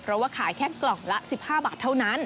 เพราะว่าขายแค่กล่องละ๑๕บาทเท่านั้น